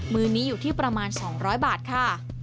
มือนี้อยู่ที่ประมาณ๒๐๐บาทค่ะ